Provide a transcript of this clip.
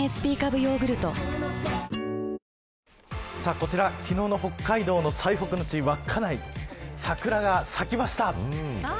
こちら昨日の北海道の最北の地、稚内桜が咲きました。